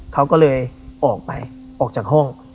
เขาก็เลยออกไปออกจากห้อง